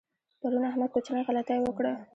پرون احمد کوچنۍ غلطۍ وکړه.